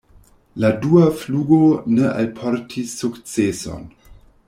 La dua flugo ne alportis sukceson.